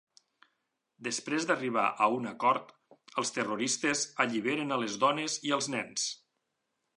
Després d'arribar a un acord els terroristes alliberen a les dones i els nens.